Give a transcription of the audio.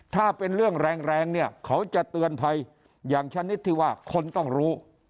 ถ้าเป็นเรื่องแรงแรงเนี่ยเขาจะเตือนภัยอย่างชนิดที่ว่าคนต้องรู้